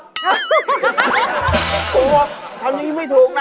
ถูกว่าทางนี้ไม่ถูกนะ